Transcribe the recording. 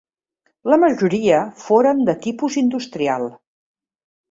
La majoria foren de tipus industrial.